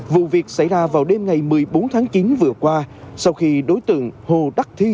vụ việc xảy ra vào đêm ngày một mươi bốn tháng chín vừa qua sau khi đối tượng hồ đắc thi